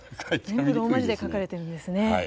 全部ローマ字で書かれているんですね。